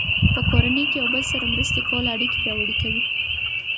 په کورنۍ کې د یو بل سره مرسته کول اړیکې پیاوړې کوي.